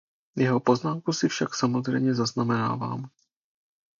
Jeho poznámku si však samozřejmě zaznamenávám.